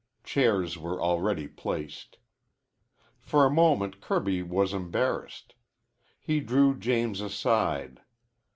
Chairs were already placed. For a moment Kirby was embarrassed. He drew James aside.